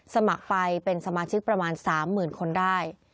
สมัครไปเป็นสมาชิกประมาณ๓๐๐๐คนได้